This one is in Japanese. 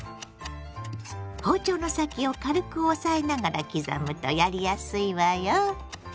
包丁の先を軽く押さえながら刻むとやりやすいわよ。